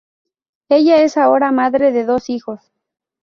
Ella es ahora madre de dos hijos.